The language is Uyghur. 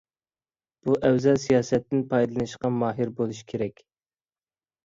بۇ ئەۋزەل سىياسەتتىن پايدىلىنىشقا ماھىر بولۇش كېرەك.